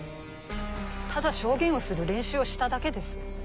ただ証言をする練習をしただけです。